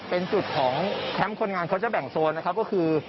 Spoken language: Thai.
เป็นจุดของแคมป์คนงานเขาจะแบ่งโซนนะครับก็คือ